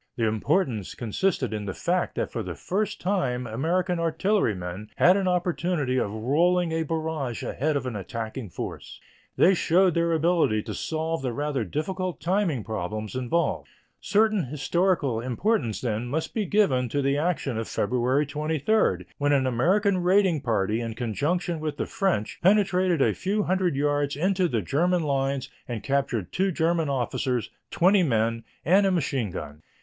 The importance consisted in the fact that for the first time American artillerymen had an opportunity of rolling a barrage ahead of an attacking force. They showed their ability to solve the rather difficult timing problems involved. Certain historical importance, then, must be given to the action of February 23, when an American raiding party in conjunction with the French penetrated a few hundred yards into the German lines and captured two German officers, twenty men, and a machine gun.